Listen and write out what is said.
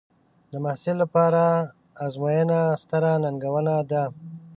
د محصل لپاره ازموینه ستره ننګونه ده.